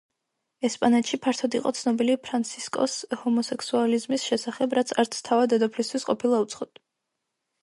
ესპანეთში ფართოდ იყო ცნობილი ფრანსისკოს ჰომოსექსუალიზმის შესახებ, რაც არც თავად დედოფლისათვის ყოფილა უცხო.